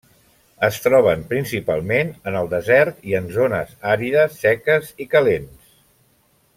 Es troben principalment en el desert i en zones àrides, seques i calents.